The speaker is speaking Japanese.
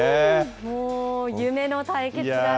もう、夢の対決がね。